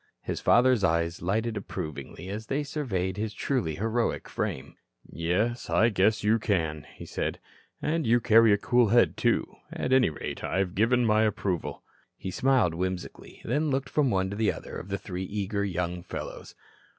His father's eyes lighted approvingly as they surveyed his truly heroic frame. "Yes, I guess you can," he said. "And you carry a cool head, too. At any rate, I've given my approval." He smiled whimsically, then looked from one to another of the three eager young fellows.